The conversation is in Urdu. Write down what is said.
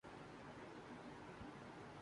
وہ بہت شائستہ انداز میں بات کرتے